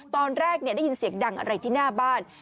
ตอนแรกได้ยินเสียงดังอะไรที่หน้าบ้าน